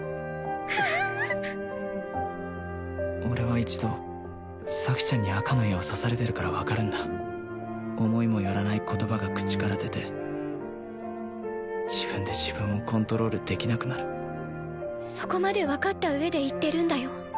俺は一度咲ちゃんに赤の矢を刺されてるから分かるんだ思いもよらない言葉が口から出て自分で自分をコントロールできなくなるそこまで分かった上で言ってるんだよ